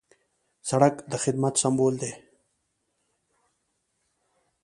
سړک د خدمت سمبول دی.